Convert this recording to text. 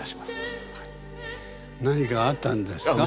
何かあったんですか？